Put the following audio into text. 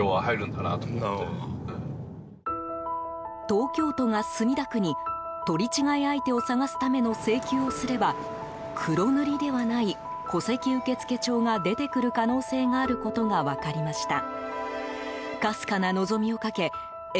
東京都が墨田区に取り違え相手を捜すための請求をすれば黒塗りではない戸籍受付帳が出てくる可能性があることが分かりました。